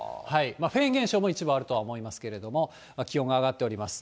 フェーン現象も一部あると思いますけど、気温が上がっております。